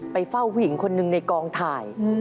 ไปเฝ้าผู้หญิงคนหนึ่งในกองถ่าย